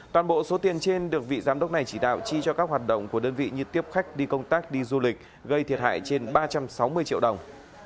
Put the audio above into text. toàn bộ số tiền trên được vị giám đốc này chỉ đạo chi cho các hoạt động của đơn vị như tiếp khách đi công tác đi du lịch gây thiệt hại trên ba trăm sáu mươi triệu đồng